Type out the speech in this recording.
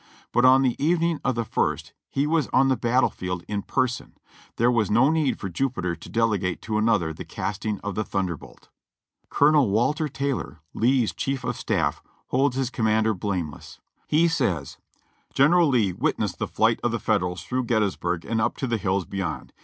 But on the evening of the ist he was on the battle field in person; there was no need for Jupiter to delegate to another the casting of the thunderbolt. Colonel Walter Taylor, Lee's Chief of Staff, holds his com mander blameless. He says : "General Lee witnessed the flight of the Federals through Gettysburg and up to the hills beyond.